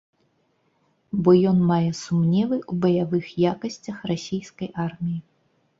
Бо ён мае сумневы ў баявых якасцях расійскай арміі.